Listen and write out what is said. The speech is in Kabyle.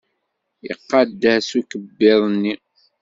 Iqadd-as ukebbiḍ-nni?